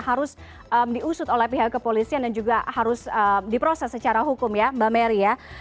harus diusut oleh pihak kepolisian dan juga harus diproses secara hukum ya mbak mary ya